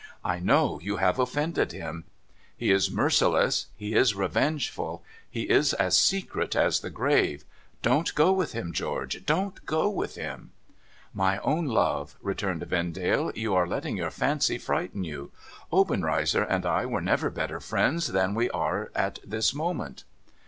I know you have offended him ! He is merciless ; he is revengeful ; he is as secret as the grave. Don't go with him, George — don't go with him I '' My own love,' returned Vendale, ' you are letting your fancy frighten you ! Obenreizer and I were never better friends than we are at this moment.'